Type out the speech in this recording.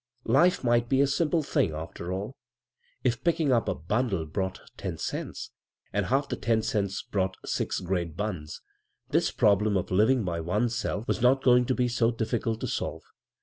Life might be a simple thing, after all. If picking up a bundle brought ten cents, and half the ten cents brought six great buns, blem of living by one's self was not ;o be so difl!icult to solve.